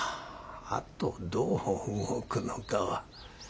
あとどう動くのかは。